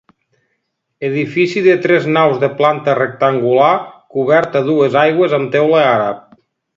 Edifici de tres naus de planta rectangular coberta a dues aigües amb teula àrab.